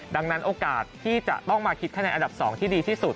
ดังนั้นโอกาสที่จะต้องมาคิดคะแนนอันดับ๒ที่ดีที่สุด